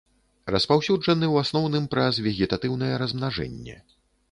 Распаўсюджаны ў асноўным праз вегетатыўнае размнажэнне.